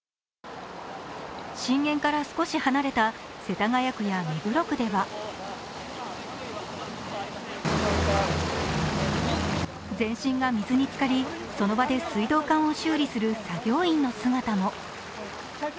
震源から少し離れた世田谷区や目黒区では、全身が水につかり、その場で水道管を修理する作業員の姿も。